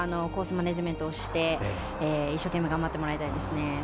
マネジメントをして一生懸命頑張ってもらいたいですね。